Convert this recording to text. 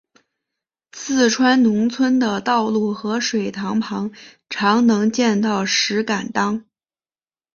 四川农村的道路和水塘旁常能见到石敢当。